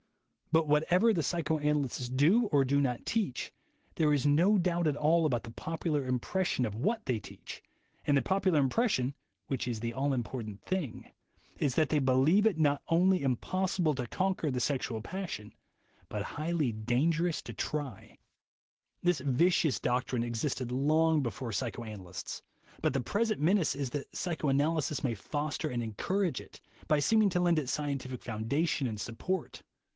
But whatever the psychoanalysts do or do not teach, there is no doubt at all about the popular impression of what they teach, and the popular impression (which is the all important thing) is that they believe it not only impossible to conquer the sexual passion, but highly dangerous to try. 108 THE WAY TO WILL POWER This vicious doctrine existed long before the psychoanalysts, but the present menace is that psychoanalysis may foster and encourage it, by seeming to lend it scientific foundation and support.